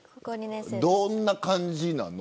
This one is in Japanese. どんな感じなの。